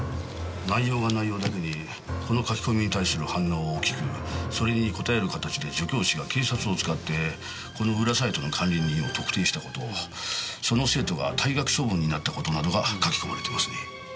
内容が内容だけにこの書き込みに対する反応は大きくそれに応える形で女教師が警察を使ってこの裏サイトの管理人を特定した事その生徒が退学処分になった事などが書き込まれてますね。